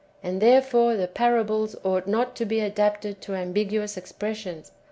And therefore the parables ought not to be adapted to am biguous expressions.